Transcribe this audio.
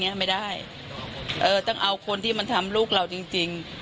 ไม่ได้เออต้องเอาคนที่มันทำลูกเราจริงจริง